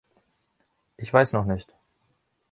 Ich weiß noch nicht.